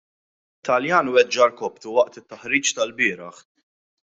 Taljan weġġa' rkopptu waqt it-taħriġ tal-bieraħ.